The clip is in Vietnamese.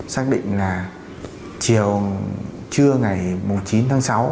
xác định là chiều trưa ngày một mươi chín tháng sáu